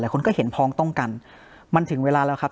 คนก็เห็นพ้องต้องกันมันถึงเวลาแล้วครับ